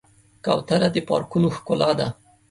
کوتره د پارکونو ښکلا ده.